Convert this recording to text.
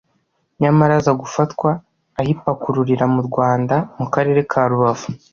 nyamara aza gufatwa ayipakururira mu Rwanda mu karere ka Rubavu